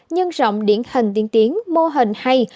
nhân rộng điển hình tiến tiến mô hình hay